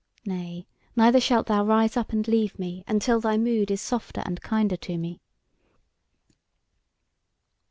Nay, neither shalt thou rise up and leave me until thy mood is softer and kinder to me."